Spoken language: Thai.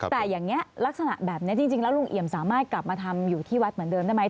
แต่อย่างนี้ลักษณะแบบนี้จริงแล้วลุงเอี่ยมสามารถกลับมาทำอยู่ที่วัดเหมือนเดิมได้ไหม